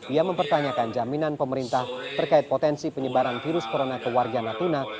ia mempertanyakan jaminan pemerintah terkait potensi penyebaran virus corona ke warga natuna